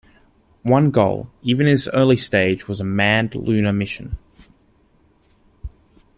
One goal, even in this early stage, was a manned lunar mission.